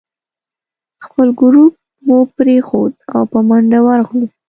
خپل ګروپ مو پرېښود او په منډه ورغلو.